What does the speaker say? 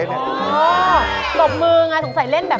ตบมูน่ากาบสงสัยเล่น